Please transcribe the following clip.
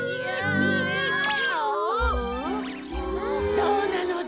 どうなのだ？